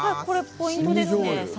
ポイントですね。